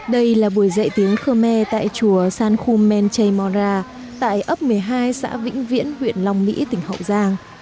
đây là buổi dạy tiếng khơ me tại chùa san khum men chay mora tại ấp một mươi hai xã vĩnh viễn huyện long mỹ tỉnh hậu giang